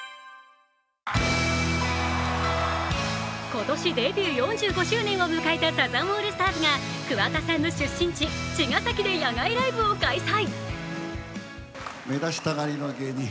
今年デビュー４５周年を迎えたサザンオールスターズが桑田さんの出身地・茅ヶ崎で野外ライブを開催。